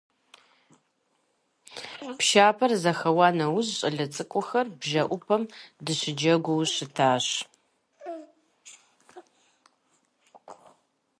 Пшапэр зэхэуа нэужь щӀалэ цӀыкӀухэр бжэӏупэм дыщыджэгуу щытащ.